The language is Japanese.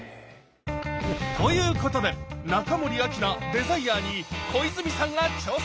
ということで中森明菜「ＤＥＳＩＲＥ−情熱−」に小泉さんが挑戦！